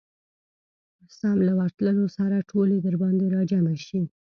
سم له ورتلو سره ټولې درباندي راجمعه شي.